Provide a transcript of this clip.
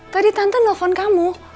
tadi tante nelfon kamu